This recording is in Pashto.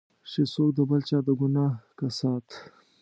چې څوک د بل چا د ګناه کسات.